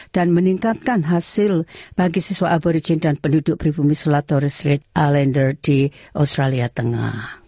dan meningkatkan hasil bagi siswa aborigin dan penduduk berbumi selaturi straight islander di australia tengah